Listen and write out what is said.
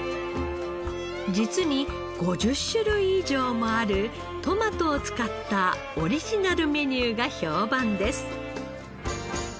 実に５０種類以上もあるトマトを使ったオリジナルメニューが評判です。